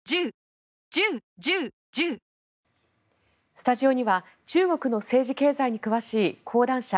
スタジオには中国の政治・経済に詳しい講談社